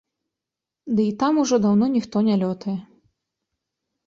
Ды і там ужо даўно ніхто не лётае.